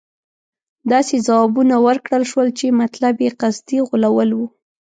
داسې ځوابونه ورکړل شول چې مطلب یې قصدي غولول وو.